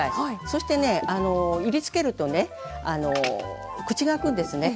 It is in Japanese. そしてねいりつけるとね口が開くんですね。